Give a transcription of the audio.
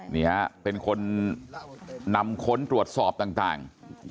นี่ฮะเป็นคนนำค้นตรวจสอบต่าง